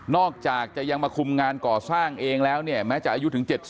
อกจากจะยังมาคุมงานก่อสร้างเองแล้วเนี่ยแม้จะอายุถึง๗๐